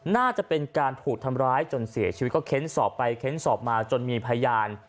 น่าจะเป็นการถูกทำร้ายจนเสียชีวิตก็เค้นสอบไปเค้นสอบมาจนมีพยาน